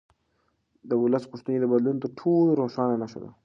د ولس غوښتنې د بدلون تر ټولو روښانه نښه ده